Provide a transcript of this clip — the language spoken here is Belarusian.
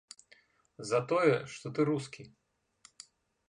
За тое, што ты рускі.